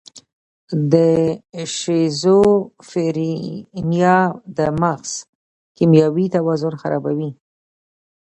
د شیزوفرینیا د مغز کیمیاوي توازن خرابوي.